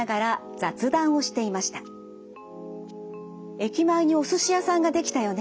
「駅前にお寿司屋さんができたよね。